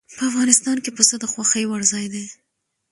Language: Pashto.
په افغانستان کې پسه د خوښې وړ ځای دی.